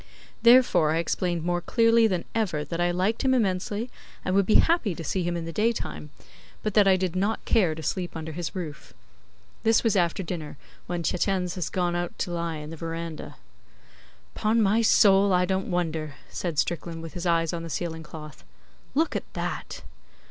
Therefore I explained more clearly than ever that I liked him immensely, and would be happy to see him in the daytime; but that I did not care to sleep under his roof. This was after dinner, when Tietjens had gone out to lie in the verandah. ''Pon my soul, I don't wonder,' said Strickland, with his eyes on the ceiling cloth. 'Look at that!